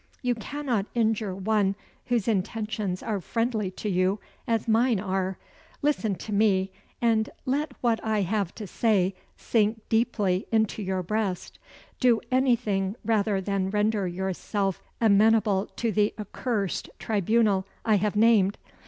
"You cannot injure one whose intentions are friendly to you as mine are. Listen to me, and let what I have to say sink deeply into your breast. Do anything rather than render yourself amenable to the accursed tribunal I have named.